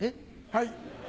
はい。